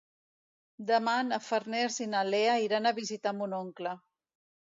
Demà na Farners i na Lea iran a visitar mon oncle.